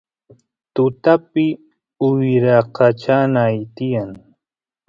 tutapi wyrakachanay tiyan